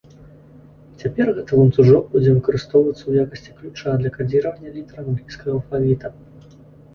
Цяпер гэты ланцужок будзе выкарыстоўвацца ў якасці ключа для кадзіравання літар англійскага алфавіта.